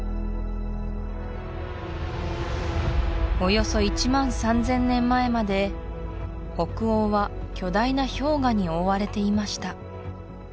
およそ１万３０００年前まで北欧は巨大な氷河に覆われていました